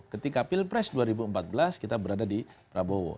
ketika pilpres dua ribu empat belas kita berada di prabowo